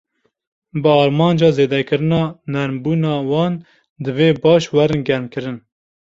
Bi armanca zêdekirina nermbûna wan, divê baş werin germkirin.